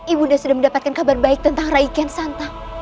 ibu nda sudah mendapatkan kabar baik tentang raimu kian santang